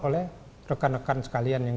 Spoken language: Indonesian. oleh rekan rekan sekalian yang